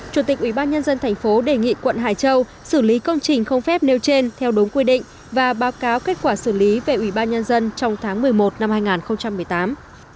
chủ tịch ubnd tp đề nghị quận hải châu xử lý công trình không phép nêu trên theo đúng quy định và báo cáo kết quả xử lý về ủy ban nhân dân trong tháng một mươi một năm hai nghìn một mươi tám